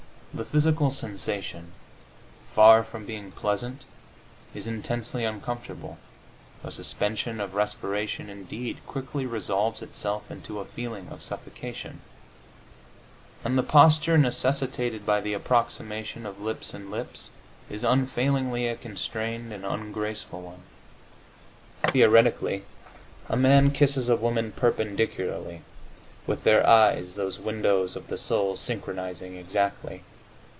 The physical sensation, far from being pleasant, is intensely uncomfortable the suspension of respiration, indeed, quickly resolves itself into a feeling of suffocation and the posture necessitated by the approximation of lips and lips is unfailingly a constrained and ungraceful one. Theoretically, a man kisses a woman perpendicularly, with their eyes, those "windows of the soul," synchronizing exactly.